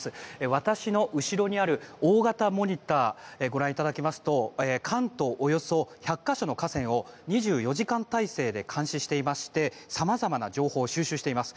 私の後ろにある大型モニターをご覧いただきますと関東およそ１００か所の河川を２４時間態勢で監視していましてさまざまな情報を収集しています。